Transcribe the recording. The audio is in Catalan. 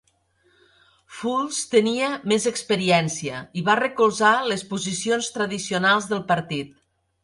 Foulds tenia més experiència i va recolzar les posicions tradicionals del partit.